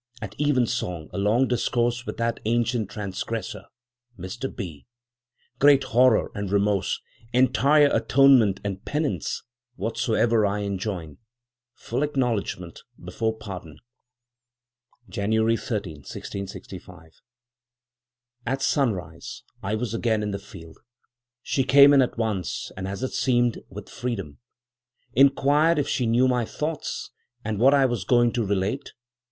At even song, a long discourse with that ancient transgressor, Mr B. Great horror and remorse; entire atonement and penance; whatsoever I enjoin; full acknowledgment before pardon. "January 13, 1665.—At sunrise I was again in the field. She came in at once, and, as it seemed, with freedom. Inquired if she knew my thoughts, and what I was going to relate?